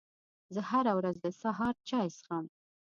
زه هره ورځ د سهار چای څښم